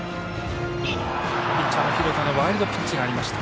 ピッチャーの廣田のワイルドピッチがありました。